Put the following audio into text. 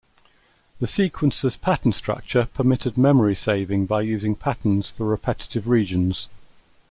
The sequencer's pattern structure permitted memory saving by using patterns for repetitive regions.